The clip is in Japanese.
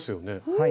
はい。